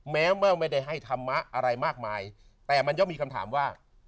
แม้เมื่อไม่ได้ให้ธรรมะอะไรมากมายแต่มันก็มีคำถามว่า